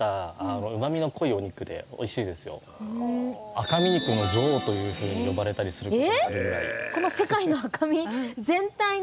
赤身肉の女王というふうに呼ばれたりするぐらい。